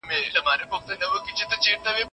وزیران به د بیان ازادي ساتي.